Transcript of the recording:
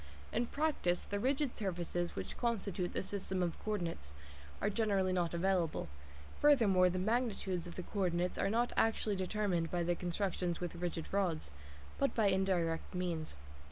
In practice, the rigid surfaces which constitute the system of co ordinates are generally not available ; furthermore, the magnitudes of the co ordinates are not actually determined by constructions with rigid rods, but by indirect means.